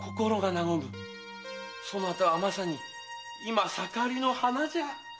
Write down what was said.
そなたはまさに今盛りの花じゃ。